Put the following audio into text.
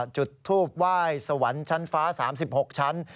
จุดทูบไหว้สวรรค์ชั้นฟ้า๓๖ชั้น